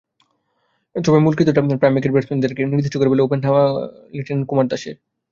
তবে মূল কৃতিত্বটা প্রাইম ব্যাংকের ব্যাটসম্যানদেরই, নির্দিষ্ট করে বললে ওপেনার লিটন কুমার দাসের।